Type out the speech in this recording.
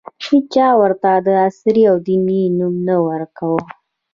هېچا ورته د عصري او دیني نوم نه ؤ ورکړی.